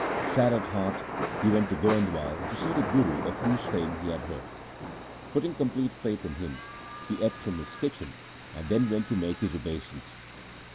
Sad at heart, he went to Goindwal to see the Guru, of whose fame he had heard: Putting complete faith in him, he ate from his kitchen and then went to make his obeisance.